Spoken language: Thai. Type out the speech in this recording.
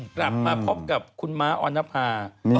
กลับมาพบกับคุณม้าออนภา